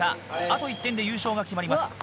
あと１点で優勝が決まります。